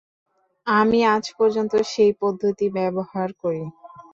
আমি আজ পর্যন্ত সেই পদ্ধতি ব্যবহার করি।